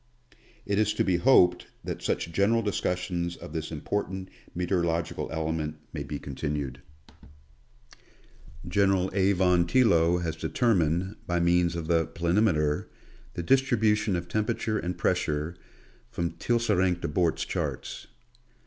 It is to be hoped that such general discussions of this important meteorological element may be continued. Geography of the Air. 155 General A. Von Tillo has determined, by means of the plani meter^ the distribution of temperature and pressure from Teisse renc de Bort's charts.